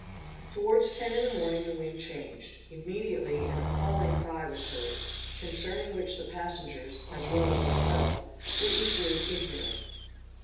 Towards ten in the morning the wind changed; immediately an appalling cry was heard, concerning which the passengers, as well as myself, were equally ignorant.